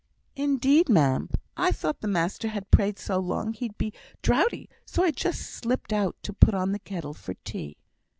"Indeed, ma'am, I thought master had prayed so long he'd be drouthy. So I just slipped out to put on the kettle for tea."